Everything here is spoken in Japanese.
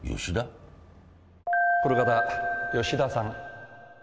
この方吉田さん